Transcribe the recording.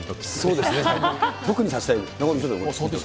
そうですね、特にさせたい。